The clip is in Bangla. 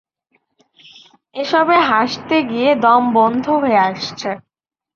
এসবে হাসতে গিয়ে দম বন্ধ হয়ে আসছে।